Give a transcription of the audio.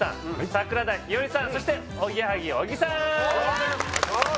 桜田ひよりさんそしておぎやはぎ小木さんお願いします